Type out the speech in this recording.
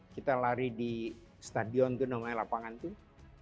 kita lari di stadion tuh namanya lapangan tuh